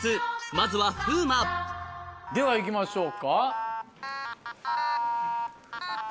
まずはでは行きましょうか。